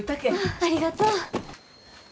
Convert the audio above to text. ありがとう。